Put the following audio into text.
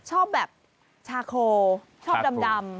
ชอบแบบชาโคชอบดำ